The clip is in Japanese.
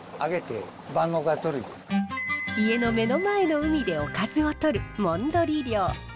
家の目の前の海でおかずをとるもんどり漁。